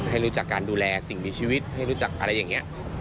ให้รู้จักการดูแลสิ่งมีชีวิตให้รู้จักอะไรอย่างนี้